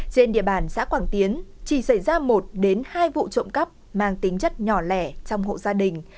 trên địa bàn xã quảng tiến chỉ xảy ra một đến hai vụ trộm cắp mang tính chất nhỏ lẻ trong hộ gia đình